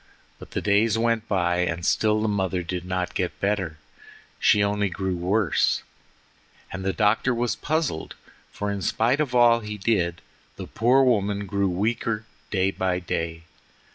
But the days went by and still the mother did not get better; she only grew worse, and the doctor was puzzled, for in spite of all he did the poor woman grew weaker day by day.